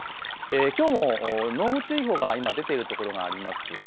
きょうも濃霧注意報が出ている所があります。